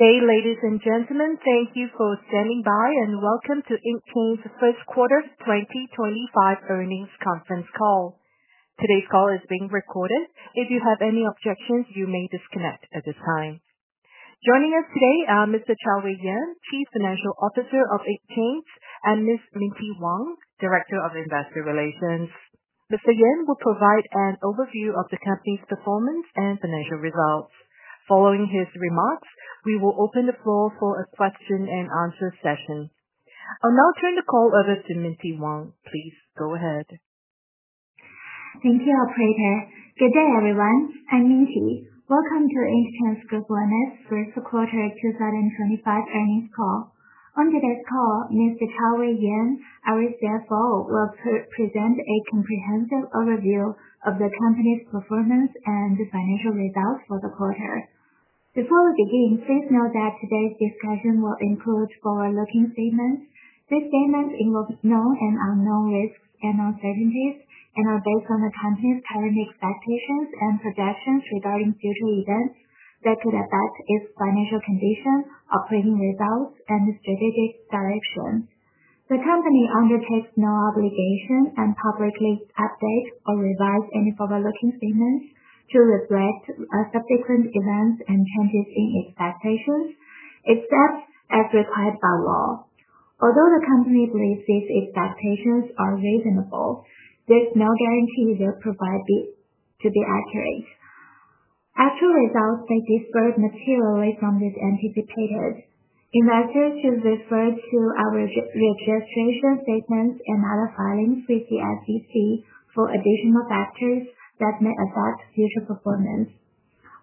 Okay, ladies and gentlemen, thank you for standing by, and welcome to Intchains first quarter 2025 earnings conference call. Today's call is being recorded. If you have any objections, you may disconnect at this time. Joining us today are Mr. Chaowei Yan, Chief Financial Officer of Intchains, and Ms. Minty Wang, Director of Investor Relations. Mr. Yan will provide an overview of the company's performance and financial results. Following his remarks, we will open the floor for a question-and-answer session. I'll now turn the call over to Minty Wang. Please go ahead. Thank you, Operator. Good day, everyone. I'm Minty. Welcome to Intchains Group Chaowei Yan's first quarter 2025 earnings call. On today's call, Mr. Chaowei Yan, our CFO, will present a comprehensive overview of the company's performance and financial results for the quarter. Before we begin, please note that today's discussion will include forward-looking statements. These statements involve known and unknown risks and uncertainties, and are based on the company's current expectations and projections regarding future events that could affect its financial condition, operating results, and strategic direction. The company undertakes no obligation to publicly update or revise any forward-looking statements to reflect subsequent events and changes in expectations, except as required by law. Although the company believes these expectations are reasonable, there is no guarantee they'll prove to be accurate. Actual results may differ materially from what is anticipated. Investors should refer to our registration statements and other filings with the SEC for additional factors that may affect future performance.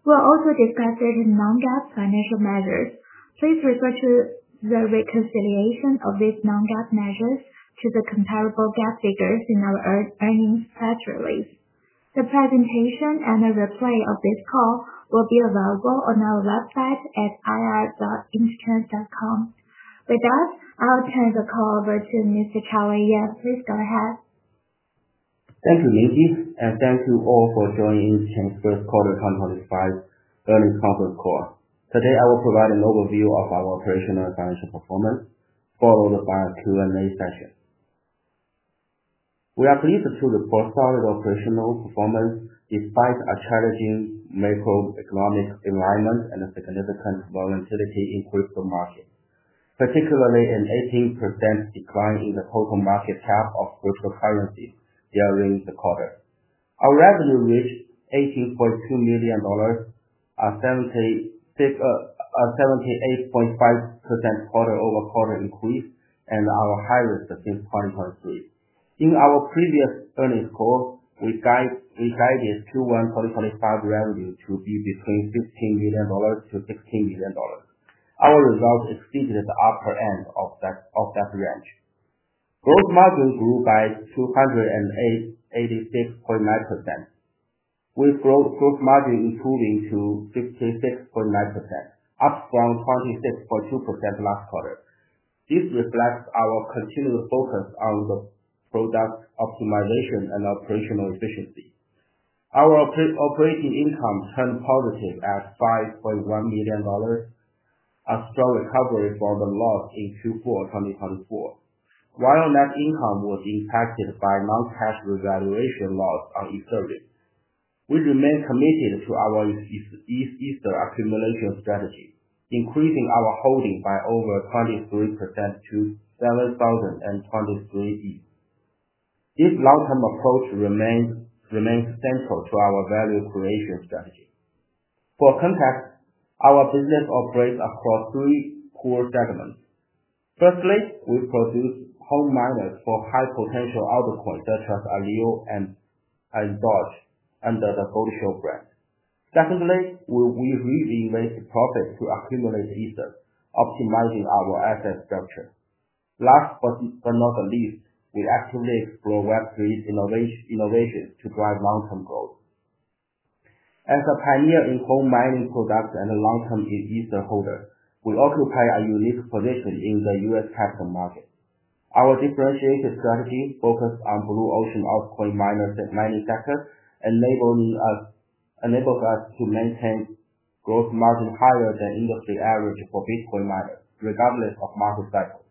We'll also discuss certain non-GAAP financial measures. Please refer to the reconciliation of these non-GAAP measures to the comparable GAAP figures in our earnings press release. The presentation and a replay of this call will be available on our website at ir.intchains.com. With that, I'll turn the call over to Mr. Chaowei Yan. Please go ahead. Thank you, Minty. Thank you all for joining Intchains' first quarter 2025 earnings conference call. Today, I will provide an overview of our operational and financial performance, followed by a Q&A session. We are pleased to report solid operational performance despite a challenging macroeconomic environment and significant volatility in crypto markets, particularly an 18% decline in the total market cap of cryptocurrency during the quarter. Our revenue reached $18.2 million, a 78.5% quarter-over-quarter increase, and our highest since 2023. In our previous earnings call, we guided Q1 2025 revenue to be between $15 million and $16 million. Our results exceeded the upper end of that range. Gross margin grew by 286.9%, with gross margin improving to 56.9%, up from 26.2% last quarter. This reflects our continued focus on product optimization and operational efficiency. Our operating income turned positive at $5.1 million, a strong recovery from the loss in Q4 2024, while net income was impacted by non-cash revaluation loss on Ethereum. We remain committed to our Ether accumulation strategy, increasing our holding by over 23% to $7,023. This long-term approach remains central to our value creation strategy. For context, our business operates across three core segments. Firstly, we produce home miners for high-potential altcoins such as Aleo and Doge under the GoldShield brand. Secondly, we reinvest profits to accumulate Ether, optimizing our asset structure. Last but not the least, we actively explore Web3 innovations to drive long-term growth. As a pioneer in home mining products and a long-term Ether holder, we occupy a unique position in the U.S. capital market. Our differentiated strategy focuses on Blue Ocean altcoin mining sector, enabling us to maintain gross margins higher than industry average for Bitcoin miners, regardless of market cycles.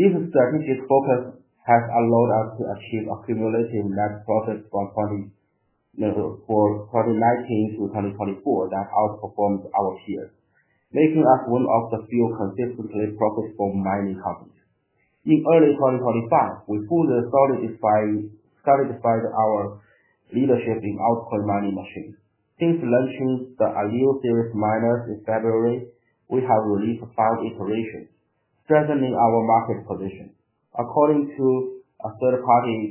This strategic focus has allowed us to achieve accumulative net profits from 2019 to 2024 that outperformed our peers, making us one of the few consistently profitable mining companies. In early 2025, we further solidified our leadership in altcoin mining machines. Since launching the Aleo series miners in February, we have released five iterations, strengthening our market position. According to a third-party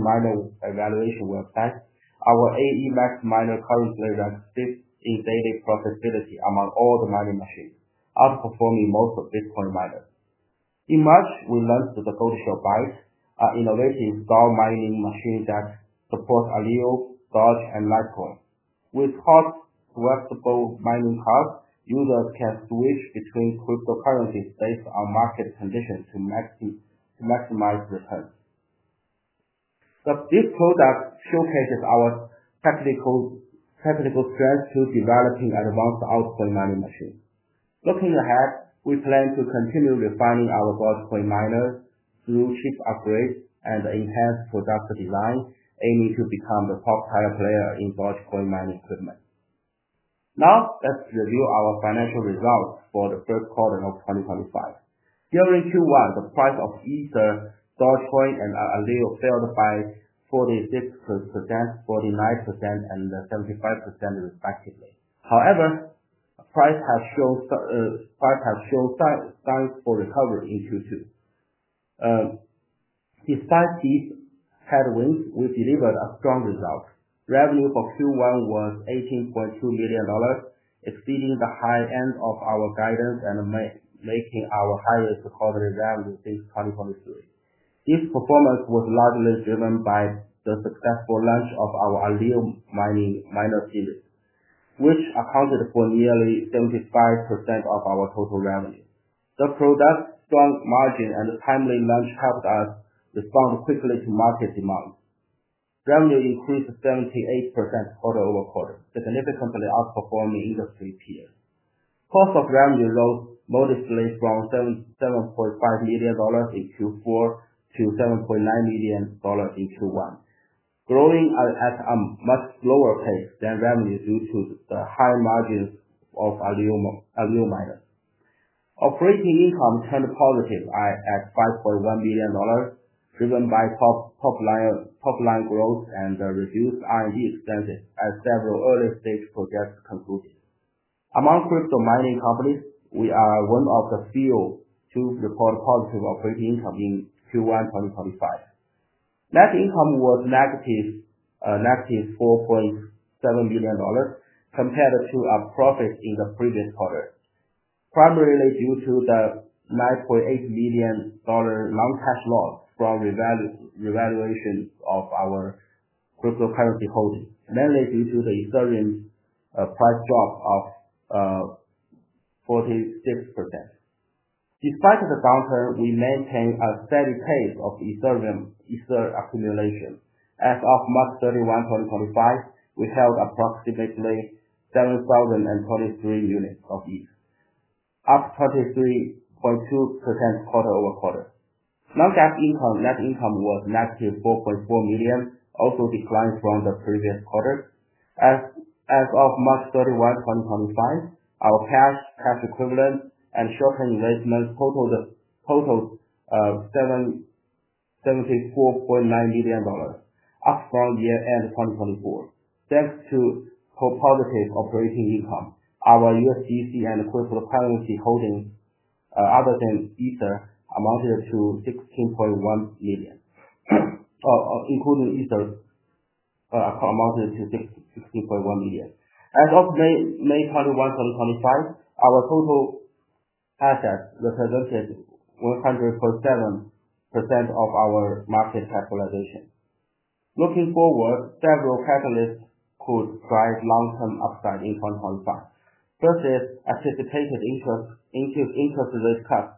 miner evaluation website, our AEMAX miner currently ranks fifth in daily profitability among all the mining machines, outperforming most of Bitcoin miners. In March, we launched the GoldShield Bite, an innovative DAO mining machine that supports Aleo, Dogecoin, and Litecoin. With cost-swappable mining cards, users can switch between cryptocurrencies based on market conditions to maximize returns. This product showcases our technical strength through developing advanced altcoin mining machines. Looking ahead, we plan to continue refining our Dogecoin miners through chip upgrades and enhanced product design, aiming to become the top-tier player in Dogecoin mining equipment. Now, let's review our financial results for the third quarter of 2025. During Q1, the price of Ethereum, Dogecoin, and Aleo fell by 46%, 49%, and 75%, respectively. However, price has shown signs for recovery in Q2. Despite these headwinds, we delivered strong results. Revenue for Q1 was $18.2 million, exceeding the high end of our guidance and making our highest quarterly revenue since 2023. This performance was largely driven by the successful launch of our Aleo series miners, which accounted for nearly 75% of our total revenue. The product's strong margin and timely launch helped us respond quickly to market demand. Revenue increased 78% quarter over quarter, significantly outperforming industry peers. Cost of revenue rose modestly, from $7.5 million in Q4 to $7.9 million in Q1, growing at a much slower pace than revenue due to the high margins of Aleo miners. Operating income turned positive at $5.1 million, driven by top-line growth and reduced R&D expenses as several early-stage projects concluded. Among crypto mining companies, we are one of the few to report positive operating income in Q1 2025. Net income was $-4.7 million, compared to our profits in the previous quarter, primarily due to the $9.8 million non-cash loss from revaluation of our cryptocurrency holdings, mainly due to the Ethereum price drop of 46%. Despite the downturn, we maintained a steady pace of Ethereum accumulation. As of March 31, 2025, we held approximately 7,023 units of ETH, up 23.2% quarter over quarter. Non-cash net income was $-4.4 million, also declined from the previous quarter. As of March 31, 2025, our cash, cash equivalents, and short-term investments totaled $74.9 million, up from year-end 2024. Thanks to positive operating income, our USDC and cryptocurrency holdings other than Ethereum amounted to $16.1 million, including Ethereum amounted to $16.1 million. As of May 21, 2025, our total assets represented 100.7% of our market capitalization. Looking forward, several catalysts could drive long-term upside in 2025. First is anticipated interest rate cuts,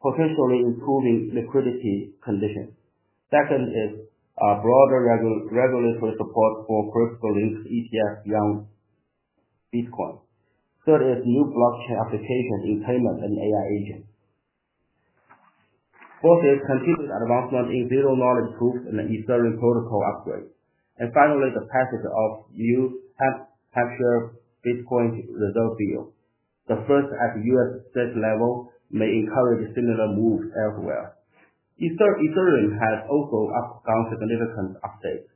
potentially improving liquidity conditions. Second is broader regulatory support for crypto-linked ETFs beyond Bitcoin. Third is new blockchain applications in payments and AI agents. Fourth is continued advancement in zero-knowledge proofs and Ethereum protocol upgrades. Finally, the passage of new HashShare Bitcoin reserve bills, the first at the U.S. state level, may encourage similar moves elsewhere. Ethereum has also gone through significant updates,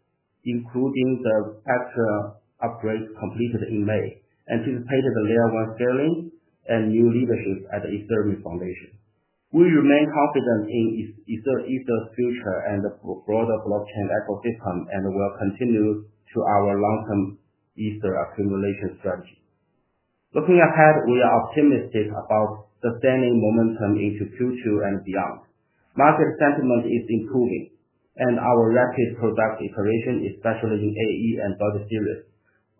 including the HashShare upgrades completed in May, anticipated the Layer 1 scaling, and new leadership at the Ethereum Foundation. We remain confident in Ethereum's future and the broader blockchain ecosystem and will continue to our long-term Ether accumulation strategy. Looking ahead, we are optimistic about sustaining momentum into Q2 and beyond. Market sentiment is improving, and our rapid product iteration, especially in AE and Doge series,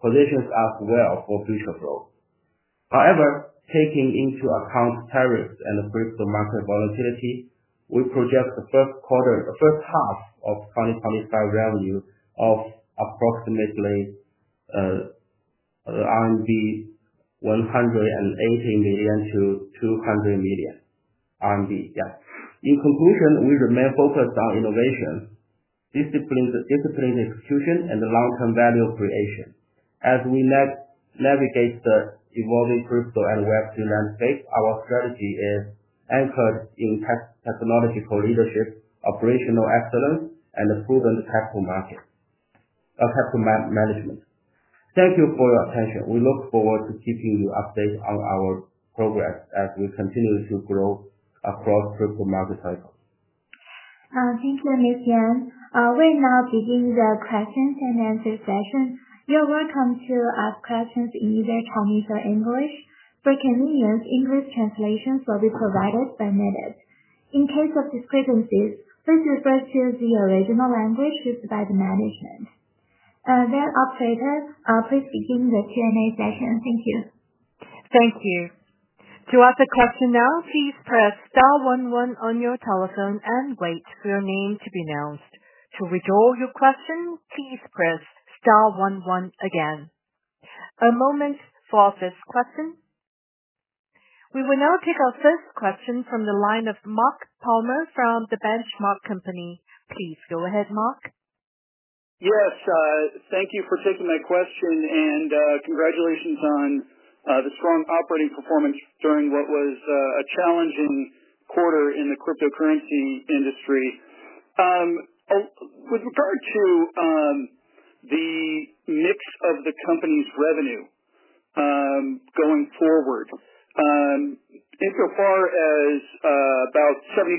positions us well for future growth. However, taking into account tariffs and the crypto market volatility, we project the first quarter, the first half of 2025 revenue of approximately RMB 180 million-RMB 200 million. In conclusion, we remain focused on innovation, disciplined execution, and long-term value creation. As we navigate the evolving crypto and Web3 landscape, our strategy is anchored in technological leadership, operational excellence, and proven capital management. Thank you for your attention. We look forward to keeping you updated on our progress as we continue to grow across crypto market cycles. Thank you, Minty Wang. We are now beginning the question and answer session. You are welcome to ask questions in either Chinese or English. For convenience, English translations will be provided when needed. In case of discrepancies, please refer to the original language used by the management. Operator, please begin the Q&A session. Thank you. Thank you. To ask a question now, please press star 11 on your telephone and wait for your name to be announced. To withdraw your question, please press star 11 again. A moment for our first question. We will now take our first question from the line of Mark Palmer from The Benchmark Company. Please go ahead, Mark. Yes. Thank you for taking my question, and congratulations on the strong operating performance during what was a challenging quarter in the cryptocurrency industry. With regard to the mix of the company's revenue going forward, insofar as about 75%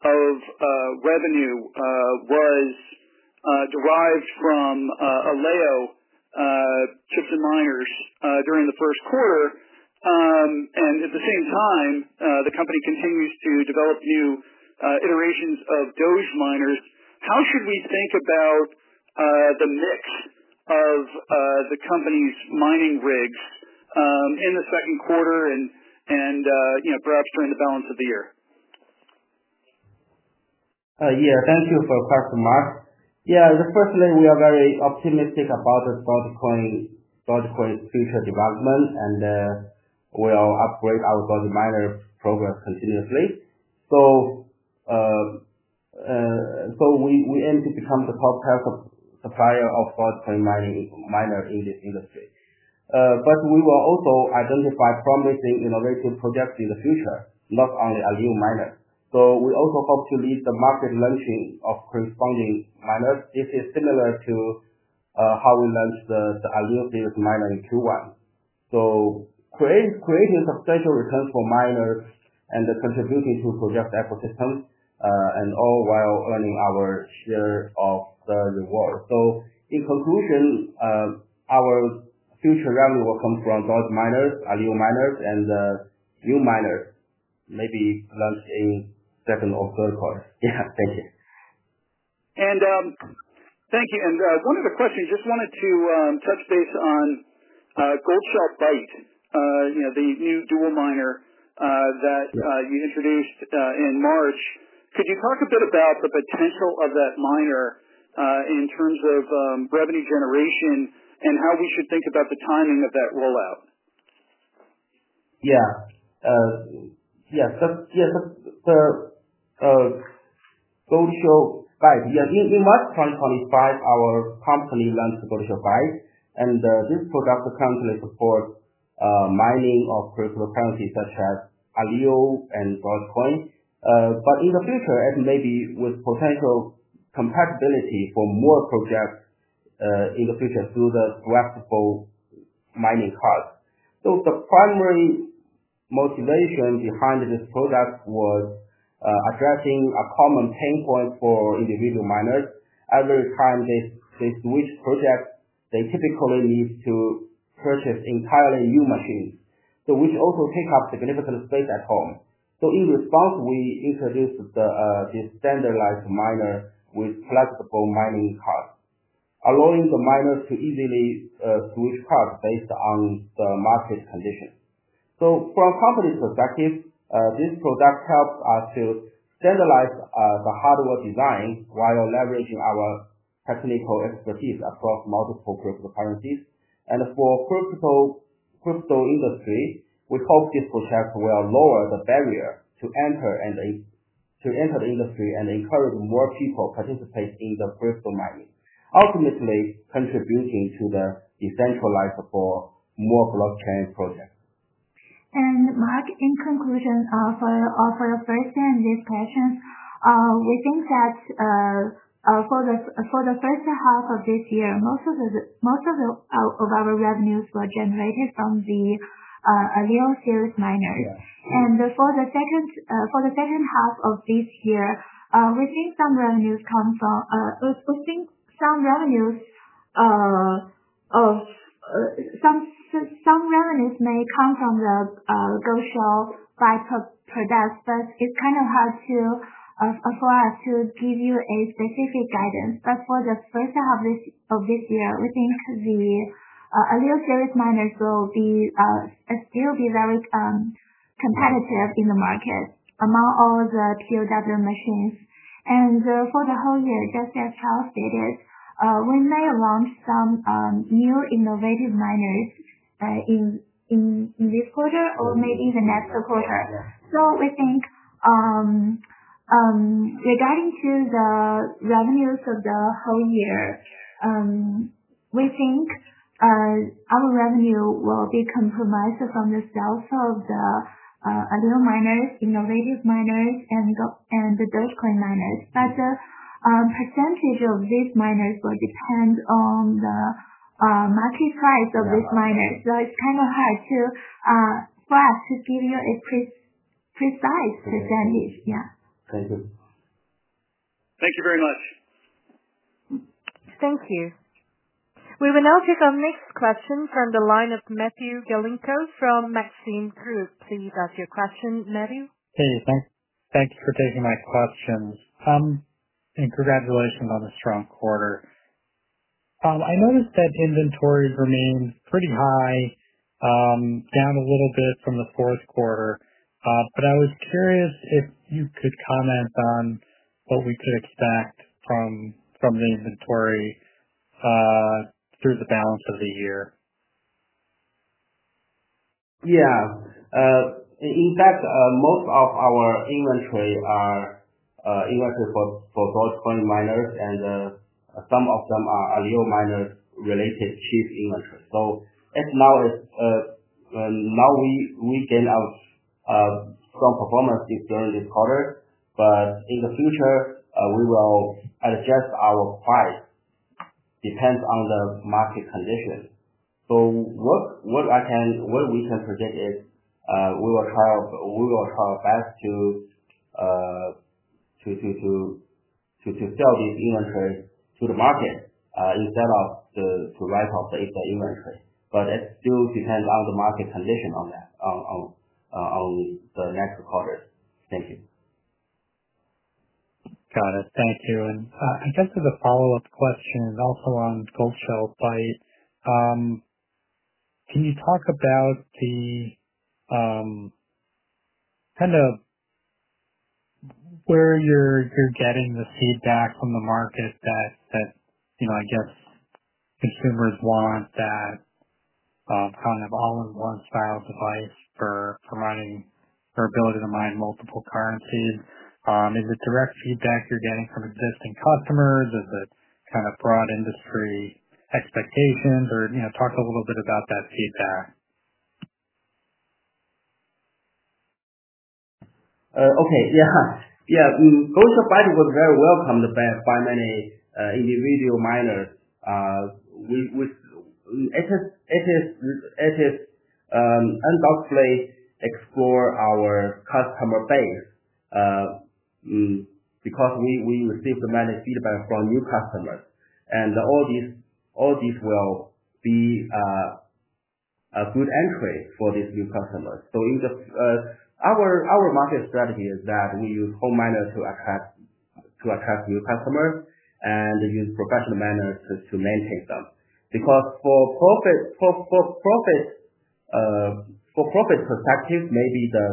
of revenue was derived from Aleo chips and miners during the first quarter, and at the same time, the company continues to develop new iterations of Dogecoin miners, how should we think about the mix of the company's mining rigs in the second quarter and perhaps during the balance of the year? Yeah. Thank you for the question, Mark. Yeah. Firstly, we are very optimistic about Dogecoin's future development, and we'll upgrade our Dogecoin miner progress continuously. We aim to become the top-tier supplier of Dogecoin miners in this industry. We will also identify promising innovative projects in the future, not only Aleo miners. We also hope to lead the market launching of corresponding miners. This is similar to how we launched the Aleo series miners in Q1. Creating substantial returns for miners and contributing to project ecosystems, all while earning our share of the reward. In conclusion, our future revenue will come from Dogecoin miners, Aleo miners, and new miners, maybe launched in the second or third quarter. Yeah. Thank you. Thank you. One other question. Just wanted to touch base on GoldShield Bite, the new dual miner that you introduced in March. Could you talk a bit about the potential of that miner in terms of revenue generation and how we should think about the timing of that rollout? Yeah. Yes. So GoldShield Bite, yeah, in March 2025, our company launched GoldShield Bite, and this product currently supports mining of cryptocurrencies such as Aleo and Dogecoin. In the future, it may be with potential compatibility for more projects in the future through the swappable mining cards. The primary motivation behind this product was addressing a common pain point for individual miners. Every time they switch projects, they typically need to purchase entirely new machines, which also take up significant space at home. In response, we introduced this standardized miner with flexible mining cards, allowing the miners to easily switch cards based on the market conditions. From a company's perspective, this product helps us to standardize the hardware design while leveraging our technical expertise across multiple cryptocurrencies. For the crypto industry, we hope this project will lower the barrier to enter the industry and encourage more people to participate in the crypto mining, ultimately contributing to the decentralized support for more blockchain projects. Mark, in conclusion of our first and last questions, we think that for the first half of this year, most of our revenues were generated from the Aleo series miners. For the second half of this year, we think some revenues may come from the GoldShield Bite products, but it is kind of hard for us to give you a specific guidance. For the first half of this year, we think the Aleo series miners will still be very competitive in the market among all the POW machines. For the whole year, just as Charles stated, we may launch some new innovative miners in this quarter or maybe the next quarter. We think regarding to the revenues of the whole year, we think our revenue will be comprised from the sales of the Aleo miners, innovative miners, and the Dogecoin miners. The percentage of these miners will depend on the market price of these miners. It is kind of hard for us to give you a precise percentage. Yeah. Thank you. Thank you very much. Thank you. We will now take our next question from the line of Matthew Galinko from Maxim Group. Please ask your question, Matthew. Hey. Thanks for taking my questions. Congratulations on the strong quarter. I noticed that inventories remain pretty high, down a little bit from the fourth quarter. I was curious if you could comment on what we could expect from the inventory through the balance of the year. Yeah. In fact, most of our inventory are inventory for Dogecoin miners, and some of them are Aleo miners-related chief inventory. Now we gained some performance during this quarter, but in the future, we will adjust our price depending on the market conditions. What we can predict is we will try our best to sell this inventory to the market instead of to write off the inventory. It still depends on the market condition on the next quarter. Thank you. Got it. Thank you. I guess as a follow-up question also on GoldShield Bite, can you talk about kind of where you're getting the feedback from the market that I guess consumers want that kind of all-in-one style device for providing their ability to mine multiple currencies? Is it direct feedback you're getting from existing customers? Is it kind of broad industry expectations? Talk a little bit about that feedback. Okay. Yeah. Yeah. GoldShield Bite was very welcomed by many individual miners. It is undoubtedly expanding our customer base because we received many feedback from new customers. All these will be a good entry for these new customers. Our market strategy is that we use home miners to attract new customers and use professional miners to maintain them. Because from a profit perspective, maybe the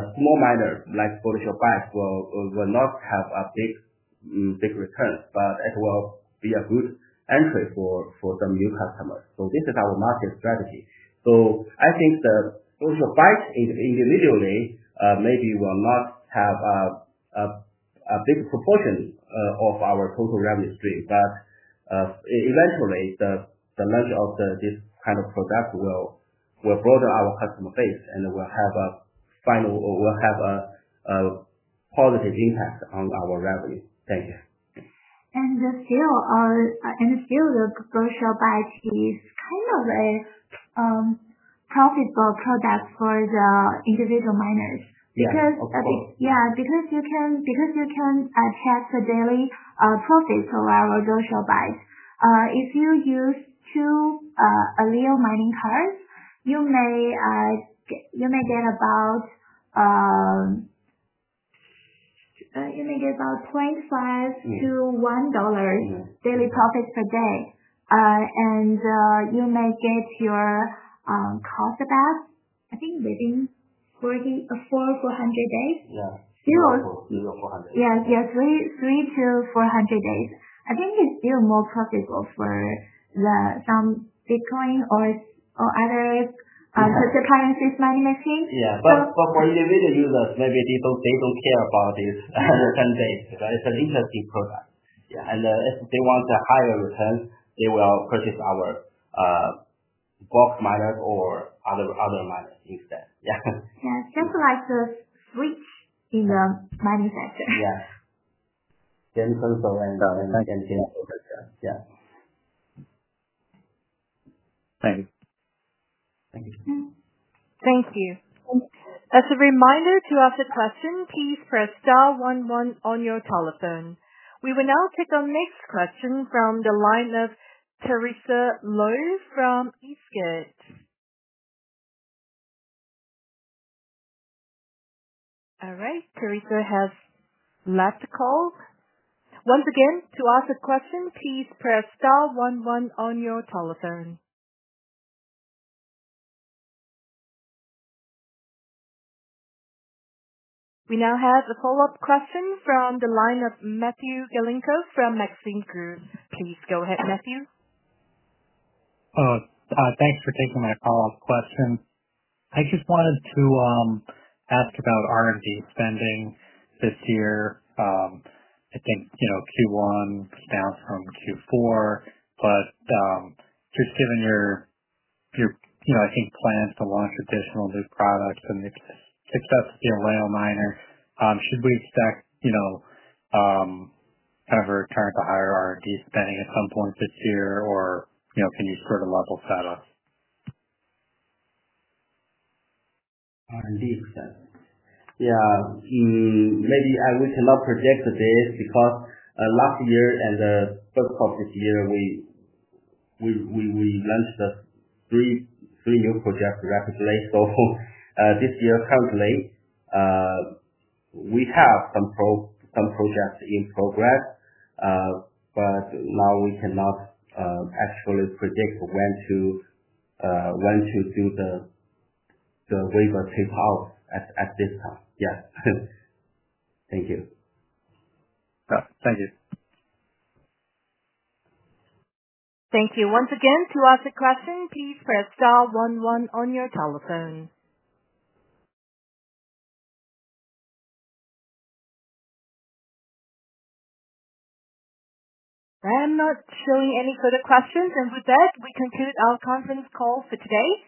small miners like GoldShield Bite will not have a big return, but it will be a good entry for some new customers. This is our market strategy. I think the GoldShield Bite individually maybe will not have a big proportion of our total revenue stream. Eventually, the launch of this kind of product will broaden our customer base and will have a positive impact on our revenue. Thank you. Still, the GoldShield Bite is kind of a profitable product for the individual miners. Yeah. Yeah. Because you can track the daily profits for our GoldShield Bite. If you use two Aleo mining cards, you may get about $25-$1 daily profits per day. You may get your cost back, I think, within 40-400 days. Yeah. Still 400. Yeah. Yeah. Three to four hundred days. I think it's still more profitable for some Bitcoin or other cryptocurrencies mining machines. Yeah. For individual users, maybe they do not care about this return base. It is an interesting product. If they want a higher return, they will purchase our box miners or other miners instead. Yeah. Yeah, just like the switch in the mining sector. Yeah. Same principle and same approach. Yeah. Thank you. Thank you. Thank you. As a reminder to ask a question, please press star 11 on your telephone. We will now take our next question from the line of Teresa Lowe from Eastgate. All right. Teresa has left the call. Once again, to ask a question, please press star 11 on your telephone. We now have a follow-up question from the line of Matthew Galinko from Maxim Group. Please go ahead, Matthew. Thanks for taking my follow-up question. I just wanted to ask about R&D spending this year. I think Q1 was down from Q4. But just given your, I think, plans to launch additional new products and the success of the Aleo miner, should we expect kind of a return to higher R&D spending at some point this year, or can you sort of level set up? R&D expense. Yeah. Maybe we cannot predict this because last year and the first of this year, we launched three new projects recently. This year, currently, we have some projects in progress, but now we cannot actually predict when to do the wafer tape-out at this time. Yeah. Thank you. Thank you. Thank you. Once again, to ask a question, please press star 11 on your telephone. I am not showing any further questions. With that, we conclude our conference call for today.